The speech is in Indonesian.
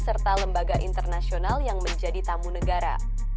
serta lembaga internasional yang menjadi tamu negara